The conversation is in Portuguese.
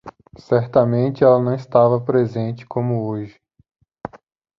Certamente ela não estava presente como hoje.